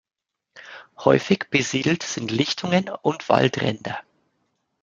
Häufig besiedelt sie Lichtungen oder Waldränder.